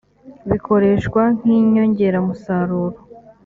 bikoreshwa nk inyongeramusaruro